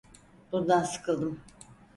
Bundan sıkıldım.